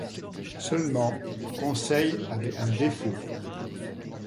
Seulement, Conseil avait un défaut.